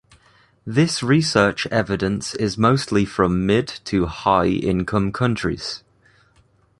This research evidence is mostly from mid- to high-income countries.